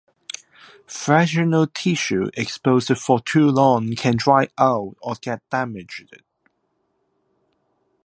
Vaginal tissue exposed for too long can dry out or get damaged.